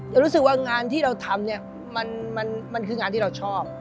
รู้สึกว่างานที่เราทำเนี่ยมันคืองานที่เราชอบ